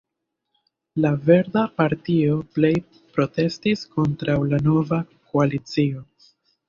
La Verda Partio plej protestis kontraŭ la nova koalicio.